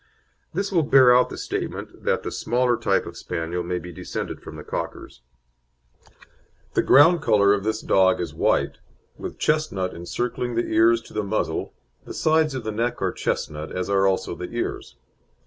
This will bear out the statement that the smaller type of Spaniel may be descended from the Cockers. The ground colour of this dog is white, with chestnut encircling the ears to the muzzle, the sides of the neck are chestnut, as are also the ears.